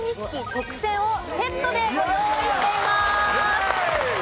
特撰をセットでご用意しています。